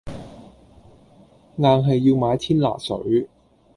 硬係要買天拿水